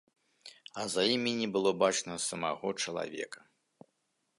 І за імі не было бачна самога чалавека.